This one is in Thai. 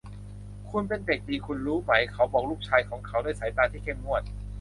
คุณเป็นเด็กดีคุณรู้ไหม เขาบอกลูกชายของเขาด้วยสายตาที่เข้มงวด